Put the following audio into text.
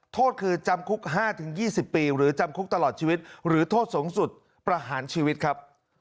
โทษคือจำคุก๕๒๐ปีหรือจำคุกตลอดชีวิตหรือโทษสูงสุดประหารชีวิตครับ